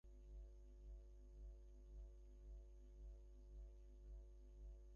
বেলা তিনটার দিকে সাইদুজ্জামানের পক্ষের সমর্থকেরা আবদুল হামিদের সমর্থকদের ওপর হামলা চালান।